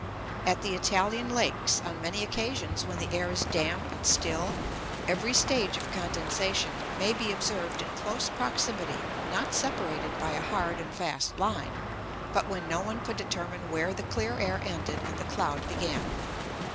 At the Italian lakes, on many occasions when the air is damp and still, every stage of condensation may be observed in close proximity, not separated by a hard and fast line, but when no one could determine where the clear air ended and the cloud began.